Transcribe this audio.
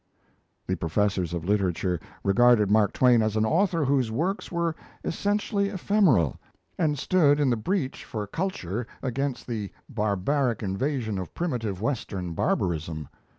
The professors of literature regarded Mark Twain as an author whose works were essentially ephemeral; and stood in the breach for Culture against the barbaric invasion of primitive Western Barbarism.